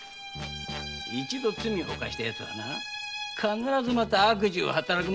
一度罪を犯したヤツは必ずまた悪事を働く。